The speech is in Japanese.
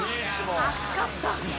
暑かった。